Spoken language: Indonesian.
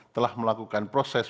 telah melakukan proses